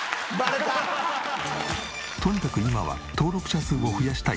とにかく今は登録者数を増やしたい